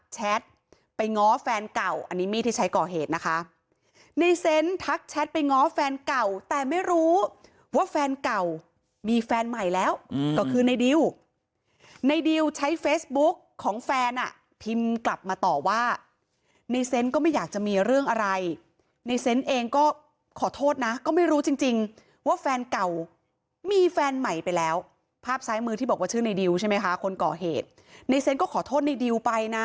แชทไปง้อแฟนเก่าอันนี้มีที่ใช้ก่อเหตุนะคะในเซ้นทักแชทไปง้อแฟนเก่าแต่ไม่รู้ว่าแฟนเก่ามีแฟนใหม่แล้วก็คือในดิวในดิวใช้เฟสบุ๊คของแฟนอ่ะพิมพ์กลับมาต่อว่าในเซ้นก็ไม่อยากจะมีเรื่องอะไรในเซ้นเองก็ขอโทษนะก็ไม่รู้จริงจริงว่าแฟนเก่ามีแฟนใหม่ไปแล้วภาพซ้ายมือที่บอกว